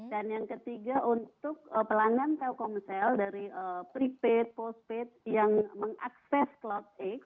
dan yang ketiga untuk pelanggan telkomsel dari prepaid postpaid yang mengakses cloudx